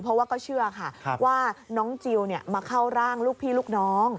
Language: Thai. เพราะว่าก็เชื่อค่ะว่าน้องจิลมาเข้าร่างลูกพี่ลูกน้อง